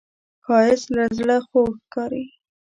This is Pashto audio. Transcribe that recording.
ښایست له زړه خوږ ښکاري